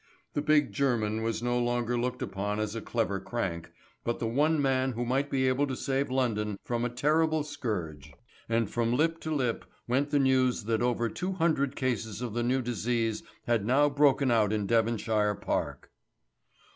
The big German was no longer looked upon as a clever crank, but the one man who might be able to save London from a terrible scourge. And from lip to lip went the news that over two hundred cases of the new disease had now broken out in Devonshire Park.